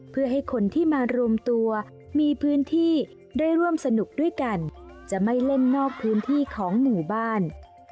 เพื่อให้คนที่มารวมตัวมีพื้นที่ได้ร่วมสนุกด้วยกันจะไม่เล่นนอกพื้นที่ของหมู่บ้าน